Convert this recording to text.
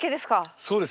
そうですね。